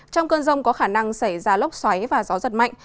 trong cơn rông có khả năng xảy ra lốc xoáy và gió giật mạnh